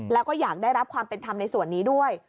แล้วก็อยากได้รับความเป็นธรรมในส่วนนี้ด้วย